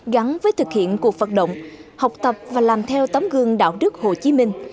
gắn với thực hiện cuộc vận động học tập và làm theo tấm gương đạo đức hồ chí minh